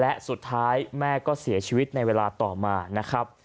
และสุดท้ายแม่ก็เสียชีวิตในเวลาต่อมานะครับ